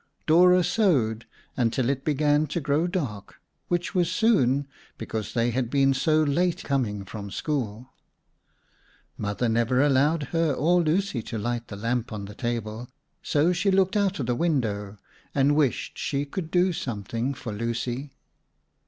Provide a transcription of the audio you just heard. Dora sewed until it began to grow dark, which was soon, because they had been so late coming from school. Mother never allowed her or Lucy to light the lamp on the table, so she looked out of the window and wished she could do something for Lucy.